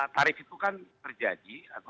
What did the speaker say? tarif itu kan terjadi